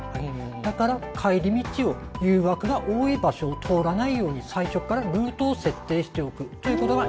だから帰り道を誘惑が多い場所を通らないように最初からルートを設定しておくということが１つ目のアイデアです。